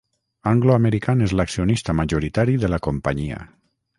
Anglo American és l'accionista majoritari de la companyia.